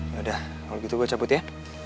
yaudah kalau gitu gue cabut ya